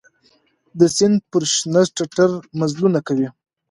د سیند پر شنه ټټر مزلونه کوي